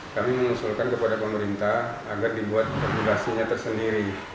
kami mengusulkan kepada pemerintah agar dibuat regulasinya tersendiri